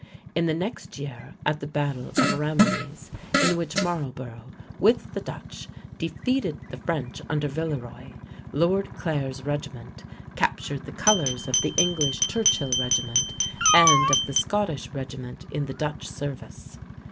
In the next year at the battle of Ramillies, in which Marlborough with the Dutch defeated the French under Villeroi, Lord Clare's regiment captured the colors of the English Churchill regiment and of the Scottish regiment in the Dutch service.